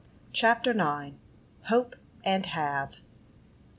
CHAPTER IX. HOPE AND HAVE.